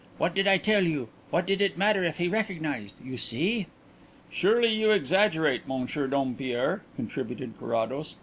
"What did I tell you? What did it matter if he recognized? You see?" "Surely you exaggerate, Monsieur Dompierre," contributed Carrados.